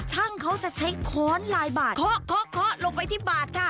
ช่างเขาจะใช้ค้อนลายบาดเคาะเคาะลงไปที่บาดค่ะ